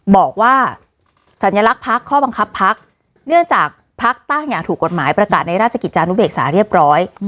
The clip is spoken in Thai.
บอกว่าสัญลักษณ์พักข้อบังคับพักเนื่องจากพักตั้งอย่างถูกกฎหมายประกาศในราชกิจจานุเบกษาเรียบร้อย